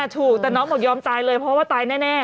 ถูกแต่น้องบอกยอมตายเลยเพราะว่าตายแน่